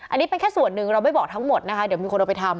อันนี้เป็นแค่ส่วนหนึ่งเราไม่บอกทั้งหมดนะคะเดี๋ยวมีคนเอาไปทำ